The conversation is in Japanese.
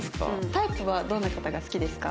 タイプはどんな方が好きですか？